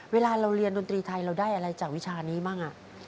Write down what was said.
เวลาเราเรียนดนตรีไทยเราได้อะไรจากวิชานี้บ้าง